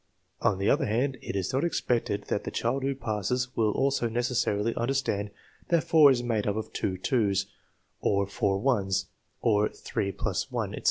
On the other hand, it is not expected that the child who passes will also necessarily understand that four is made up of two two's, or four one's, or three plus one, etc.